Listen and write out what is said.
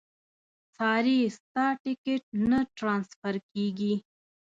ساري ستا ټیکټ نه ټرانسفر کېږي.